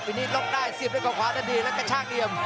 วินนี่ลบได้ซีบด้วยกล่อขวาด้านดีแล้วก็ช่างเดี่ยม